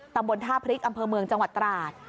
ตำบลท่าพริกอำเภอเมืองจังหวัดตราด